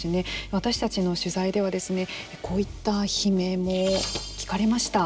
私たちの取材ではこういった悲鳴も聞かれました。